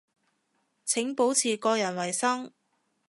請保持個人衛生